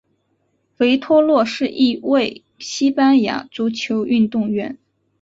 维托洛是一位西班牙足球运动员。